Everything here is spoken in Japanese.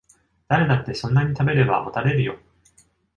誰だってそんなに食べればもたれるよ